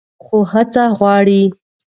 خو هڅه غواړي.